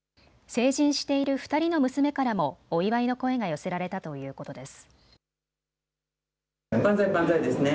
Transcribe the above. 成人している２人の娘からもお祝いの声が寄せられたということです。